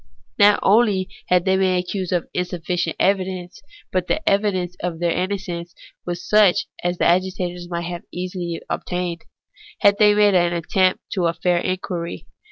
Not only had they been accused on insufficient evidence, but the evidence of their innocence was such as the agitators might easily have obtained, if they had attempted a fair inquiry.